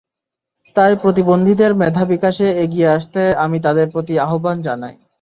তাই প্রতিবন্ধীদের মেধা বিকাশে এগিয়ে আসতে আমি তাঁদের প্রতি আহ্বান জানাই।